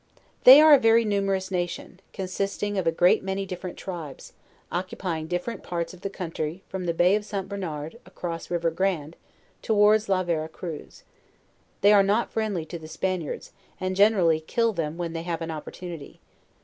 They are a very numerous nation, consisting of a great many different tribes, occupying different parts of the country, from the bay of St. Bernard, across river Grand, towards La Vera Cruz. They are not friendly to the Span iards, and generally kill them when they have an opportuni ty.